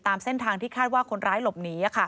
ตามเส้นทางที่คาดว่าคนร้ายหลบหนี